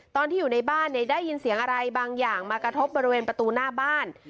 ตอนที่อยู่ในบ้านเนี่ยได้ยินเสียงอะไรบางอย่างมากระทบบริเวณประตูหน้าบ้าน